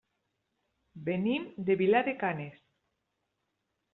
Venim de Vilar de Canes.